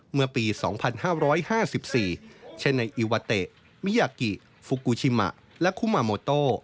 เมื่อปี๒๕๕๔เช่นในอิวาเตะมิยากิฟูกูชิมะและคุมาโมโต